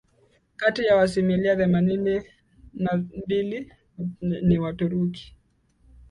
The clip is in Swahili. Kati yao asilimia themanini na mbili ni Waturuki